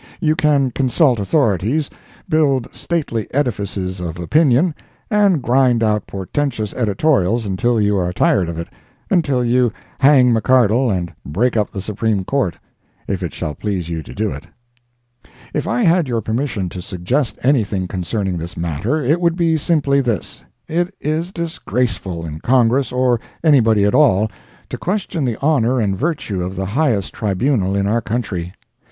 You can consult authorities, build stately edifices of opinion, and grind out portentious editorials until you are tired of it—until you hang McCardle and break up the Supreme Court, if it shall please you to do it. If I had your permission to suggest anything concerning this matter, it would be simply this. It is disgraceful, in Congress, or anybody at all, to question the honor and virtue of the highest tribunal in our country.